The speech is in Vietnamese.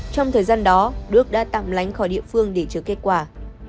trong thời gian đó đức đã tạm lánh khỏi địa phương để chờ kết quả